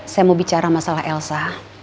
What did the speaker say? saya mau bicara masalah elsa